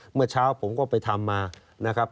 เมื่อเช้าผมก็ไปทำมานะครับ